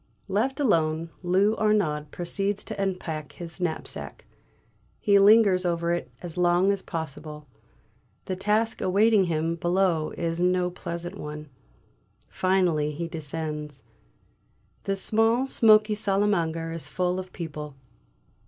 Left alone, Lou Arnaud proceeds to unpack his knapsack; he lingers over it as long as possible; the task awaiting him below is no pleasant one. Finally he descends. The small smoky salle à manger is full of people.